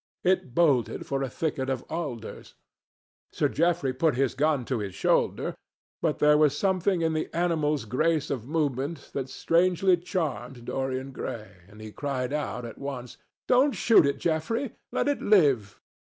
It bolted for a thicket of alders. Sir Geoffrey put his gun to his shoulder, but there was something in the animal's grace of movement that strangely charmed Dorian Gray, and he cried out at once, "Don't shoot it, Geoffrey. Let it live."